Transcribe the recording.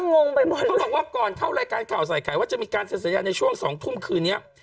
ก็บอกว่าก่อนเข้ารายการข่าวสายไขว่าจะมีการเสียสัญญาณในช่วง๒ทุ่มคืนนี้